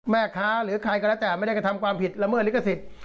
หรือใครก็แล้วแต่ไม่ได้กระทำความผิดละเมิดลิขสิทธิ์